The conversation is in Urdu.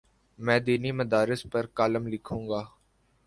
میں دینی مدارس پر کالم لکھوں گا۔